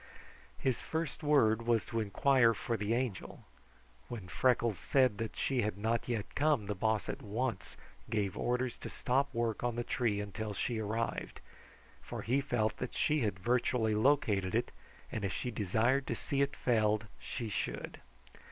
His first word was to inquire for the Angel. When Freckles said she had not yet come, the Boss at once gave orders to stop work on the tree until she arrived; for he felt that she virtually had located it, and if she desired to see it felled, she should.